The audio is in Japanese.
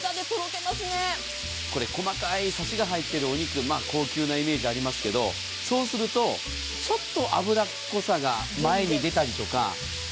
細かいサシが入ってるお肉高級なイメージありますがそうするとちょっと脂っこさが前に出たりとか。